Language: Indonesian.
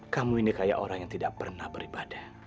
kamu ini kayak orang yang tidak pernah beribadah